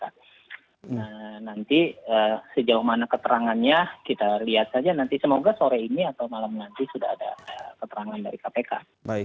nah nanti sejauh mana keterangannya kita lihat saja nanti semoga sore ini atau malam nanti sudah ada keterangan dari kpk